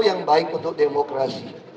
yang baik untuk demokrasi